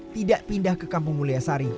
tidak pindah ke kampung mulia sari